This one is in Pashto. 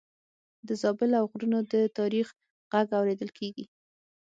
د زابل له غرونو د تاریخ غږ اورېدل کېږي.